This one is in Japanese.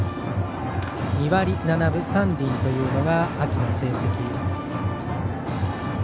２割７分３厘というのが秋の成績。